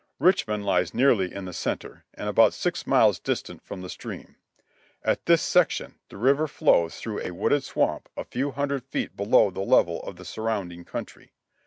Richmond lies nearly in the center, and about six miles distant from the stream. At this section the river flows through a wooded swamp a few hundred feet below the level of the surrounding country.